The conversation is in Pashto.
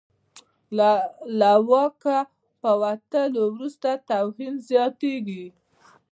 له واکه په وتلو وروسته توهین زیاتېږي.